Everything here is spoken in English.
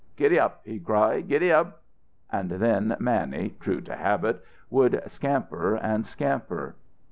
"Giddy ap!" he cried. "Giddy ap!" And then Mannie, true to habit, would scamper and scamper.